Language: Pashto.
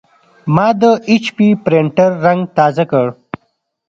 ما د ایچ پي پرنټر رنګ تازه کړ.